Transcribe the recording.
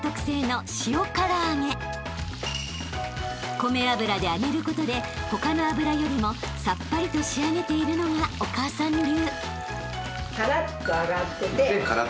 ［米油で揚げることで他の油よりもさっぱりと仕上げているのがお母さん流］